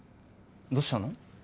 どうしたの？